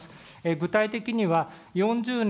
具体的には、４０年